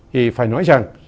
thì phải nói rằng